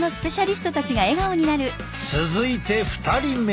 続いて２人目。